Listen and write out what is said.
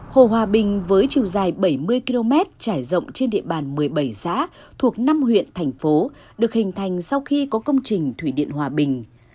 hồ hòa bình với chiều dài bảy mươi km trải rộng trên địa bàn một mươi bảy xã thuộc năm huyện thành phố được hình thành sau khi có công trình thủy điện hòa bình